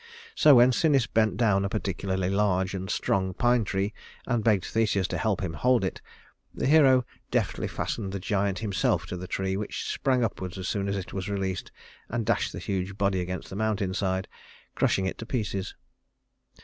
So when Sinis bent down a particularly large and strong pine tree and begged Theseus to help him hold it, the hero deftly fastened the giant himself to the tree which sprang upward as soon as it was released and dashed the huge body against the mountain side, crushing it to pieces.